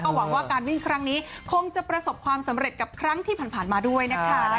หวังว่าการวิ่งครั้งนี้คงจะประสบความสำเร็จกับครั้งที่ผ่านมาด้วยนะคะ